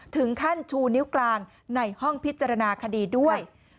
ชูนิ้วกลางในห้องพิจารณาคดีด้วย